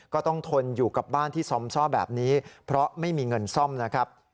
ก็ต้องทนอยู่กับบ้านที่ซ่อมซ่อแบบนี้เพราะไม่มีเงินซ่อมนะครับ